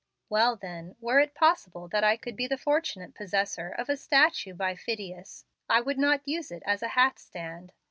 "Well, then, were it possible that I could be the fortunate possessor of a statue by Phidias, I would not use it as a hat stand.